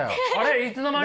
いつの間に？